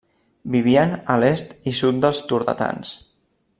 Vivien a l'est i sud dels turdetans.